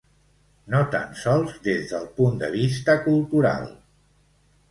No tan sols des del punt de vista cultural.